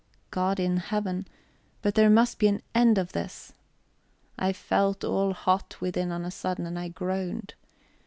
God in Heaven, but there must be an end of this! I felt all hot within on a sudden, and I groaned.